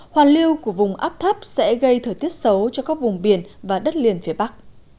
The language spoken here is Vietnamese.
hoàn lưu của vùng áp thấp sẽ gây thời tiết xấu cho các vùng biển và đất liền phía bắc